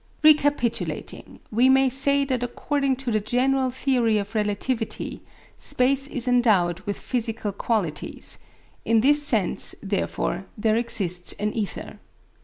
Recapitulating, we may say that according to the general theory of relativity space is endowed with physical qualities; in this sense, therefore, there exists an ether.